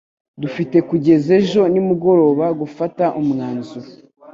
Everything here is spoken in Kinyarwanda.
Dufite kugeza ejo nimugoroba gufata umwanzuro.